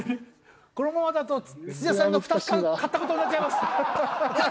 このままだと土田さんが２つ買った事になっちゃいます。